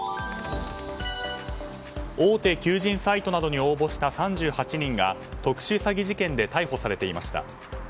大手求人サイトなどに応募した３８人が特殊詐欺事件で逮捕されていました。